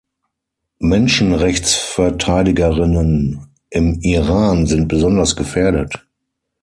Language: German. Menschenrechtsverteidigerinnen im Iran sind besonders gefährdet.